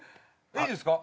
いいですか？